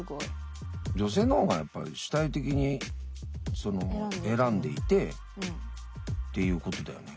女性の方がやっぱり主体的に選んでいてっていうことだよね。